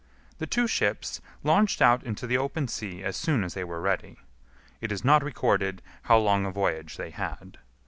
The two ships launched out into the open sea as soon as they were ready. It is not recorded how long a voyage they had.